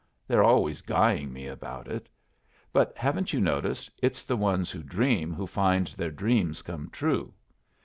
They're always guying me about it. But, haven't you noticed, it's the ones who dream who find their dreams come true.